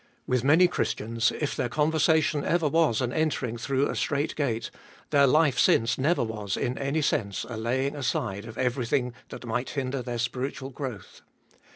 With many Christians, if their conversion ever was an entering through a strait gate, their life since never was, in any sense, a laying aside of everything that might hinder their spiritual growth.